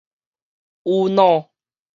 宇老